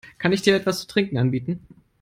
Kann ich dir etwas zu trinken anbieten?